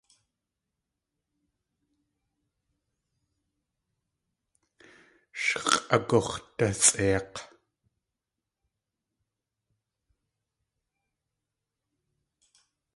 Sh x̲ʼagux̲dasʼeik̲.